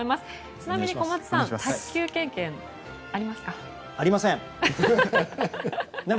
ちなみに小松さん卓球経験ありますか？